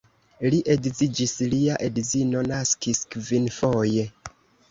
Li edziĝis, lia edzino naskis kvinfoje.